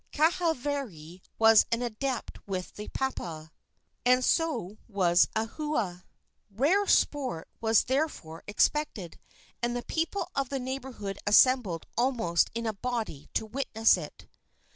Kahavari was an adept with the papa, and so was Ahua. Rare sport was therefore expected, and the people of the neighborhood assembled almost in a body to witness it.